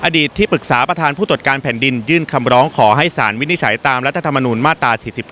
ที่ปรึกษาประธานผู้ตรวจการแผ่นดินยื่นคำร้องขอให้สารวินิจฉัยตามรัฐธรรมนูลมาตรา๔๔